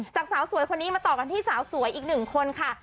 สาวสวยคนนี้มาต่อกันที่สาวสวยอีกหนึ่งคนค่ะ